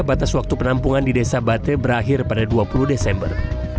batas waktu penampungan di desa bate berakhir pada dua puluh desember